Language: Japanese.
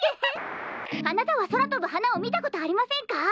あなたはそらとぶはなをみたことありませんか？